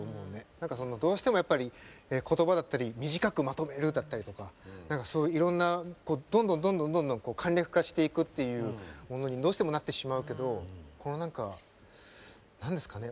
何かどうしてもやっぱり言葉だったり短くまとめるだったりとか何かいろんなどんどんどんどんどんどん簡略化していくっていうものにどうしてもなってしまうけどこの何か何ですかね